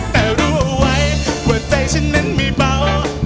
แต่รู้ไว้ว่าใจฉันนั้นมีเบา